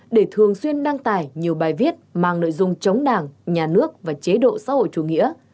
để thường xuyên đăng tải nhiều bài viết mang nội dung chống đảng nhà nước và chế độ xã hội chủ nghĩa